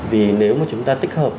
vì nếu mà chúng ta tích hợp